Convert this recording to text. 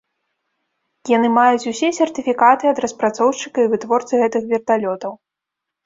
Яны маюць усе сертыфікаты ад распрацоўшчыка і вытворцы гэтых верталётаў.